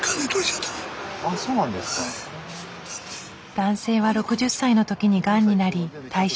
男性は６０歳の時にがんになり退職。